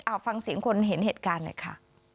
เอาฟังเสียงคนเห็นเหตุการณ์หน่อยค่ะ